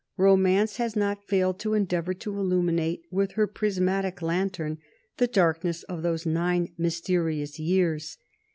Romance has not failed to endeavor to illuminate with her prismatic lantern the darkness of those nine mysterious years.